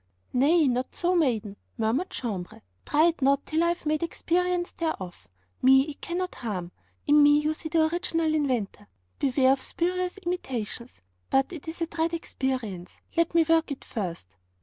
'Nay, not so, maiden,' murmured Jambres, 'try it not till I have made experience thereof. Me it cannot harm; in me you see the original inventor; beware of spurious imitations. But it is a dread experience; let me work it first!'